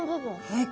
はい。